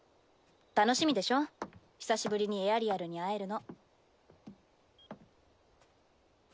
楽しみでしょ久しぶりにエアリアルに会えるの。